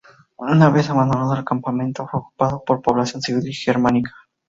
Una vez abandonado el campamento, fue ocupado por población civil germánica.